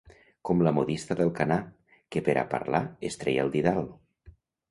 Com la modista d'Alcanar, que per a parlar es treia el didal.